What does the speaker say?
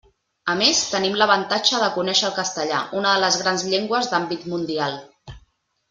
A més, tenim l'avantatge de conéixer el castellà, una de les grans llengües d'àmbit mundial.